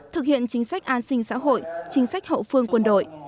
thực hiện chính sách an sinh xã hội chính sách hậu phương quân đội